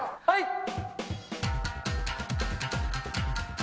はい。